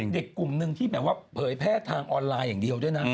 เด็กกลุ่มหนึ่งที่แบบว่าเผยแพร่ทางออนไลน์อย่างเดียวด้วยนะ